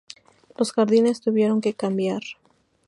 Los jardines tuvieron que cambiar.